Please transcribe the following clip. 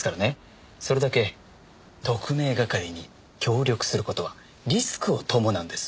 それだけ特命係に協力する事はリスクを伴うんです。